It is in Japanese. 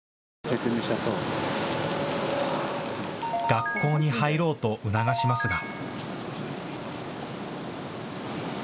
学校に入ろうと促しますが。